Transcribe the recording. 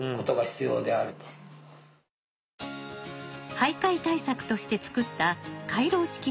徘徊対策としてつくった回廊式の廊下。